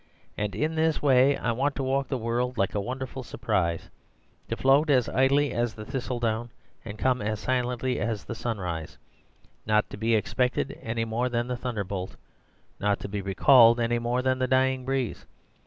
And in this way I want to walk the world like a wonderful surprise— to float as idly as the thistledown, and come as silently as the sunrise; not to be expected any more than the thunderbolt, not to be recalled any more than the dying breeze.